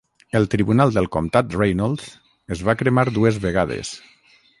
El tribunal del comtat Reynolds es va cremar dues vegades.